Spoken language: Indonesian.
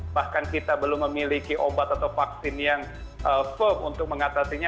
bahkan kita belum memiliki obat atau vaksin yang firm untuk mengatasinya